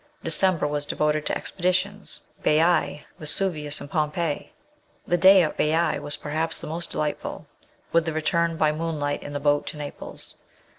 December was devoted to expeditions Baise, Vesuvius, and Pompeii. The day at Baiae was perhaps the most delightful, with the re turn by moonlight in the boat to Naples.